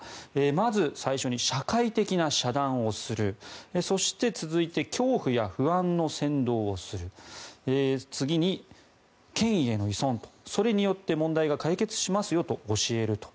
まず最初に社会的な遮断をするそして、続いて恐怖や不安の扇動をする次に権威への依存とそれによって問題が解決しますよと教えると。